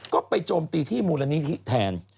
ก็ไปโจมตีที่มูลนิธิแทน